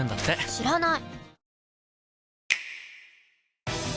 知らない！